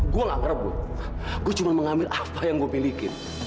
gua ngerebut gue cuma mengambil apa yang gue milikin